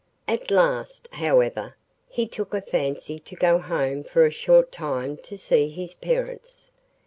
At last, however, he took a fancy to go home for a short time to see his parents.